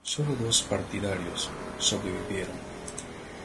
Solo dos partidarios sobrevivieron.